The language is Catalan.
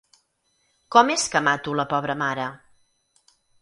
¿Com és que mato la pobra mare?